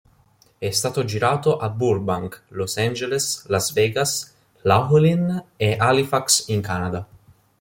È stato girato a Burbank, Los Angeles, Las Vegas, Laughlin, e Halifax in Canada.